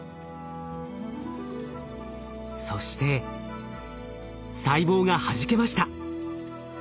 そして細胞がはじけました。